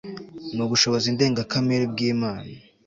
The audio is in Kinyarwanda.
nubushobozi ndengakamere bwImana